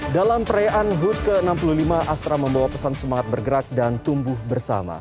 dalam perayaan hud ke enam puluh lima astra membawa pesan semangat bergerak dan tumbuh bersama